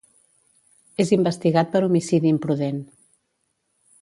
És investigat per homicidi imprudent.